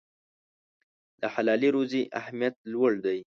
د حلالې روزي اهمیت لوړ دی.